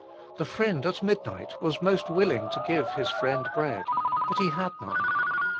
The friend at midnight was most willing to give his friend bread, but he had none.